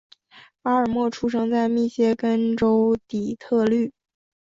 巴尔默出生在密歇根州底特律。